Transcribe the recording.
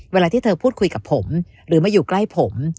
เวลาที่เธอพูดคุยกับผมหรือมาอยู่ใกล้ผม